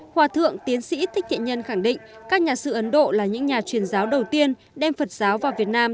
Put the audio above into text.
hòa thượng tiến sĩ thích thiện nhân khẳng định các nhà sư ấn độ là những nhà truyền giáo đầu tiên đem phật giáo vào việt nam